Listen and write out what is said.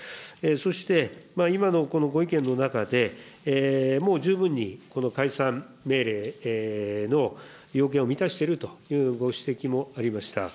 そして今のご意見の中で、もう十分にこの解散命令の要件を満たしているというご指摘もありました。